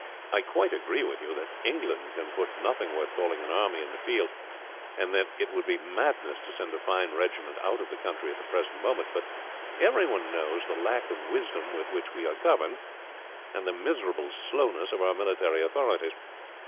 I quite agree with you that England can put nothing worth calling an army in the field, and that it would be madness to send a fine regiment out of the country at the present moment. But everyone knows the lack of wisdom with which we are governed, and the miserable slowness of our military authorities.